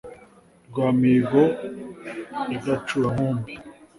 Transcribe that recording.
rwa mihigo ya gacura-nkumbi,